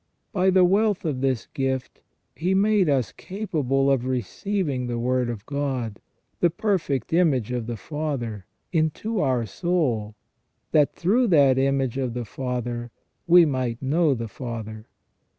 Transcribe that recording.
By the wealth of this gift He made us capable of receiving the Word of God, the perfect image of the Father, into our soul, that through that image of the Father we might know the Father.